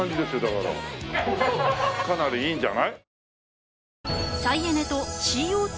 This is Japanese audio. かなりいいんじゃない？